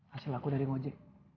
hasil aku dari ngojek